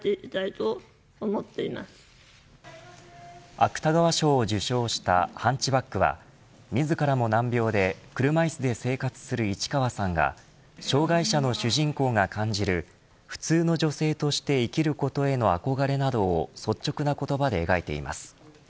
芥川賞を受賞したハンチバックは自らも難病で車いすで生活する市川さんが障がい者の主人公が感じる普通の女性として生きることへの憧れなどを率直な言葉で描いています。